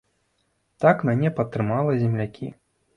Так мяне падтрымала землякі.